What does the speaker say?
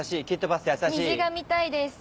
虹が見たいです。